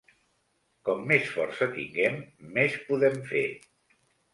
Com més força tinguem, més podem fer.